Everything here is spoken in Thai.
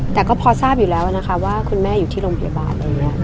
แต่ก็พอทราบอยู่แล้วนะคะว่าคุณแม่อยู่ที่โรงพยาบาลอะไรอย่างนี้